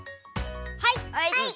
はい！